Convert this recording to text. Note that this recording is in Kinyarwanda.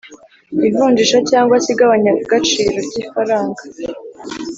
ivunjisha cyangwa se igabanyagaciro ry’ifaranga